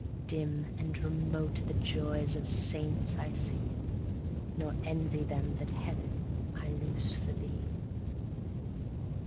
70 Dim and remote the joys of saints I see; Nor envy them that heaven I lose for thee.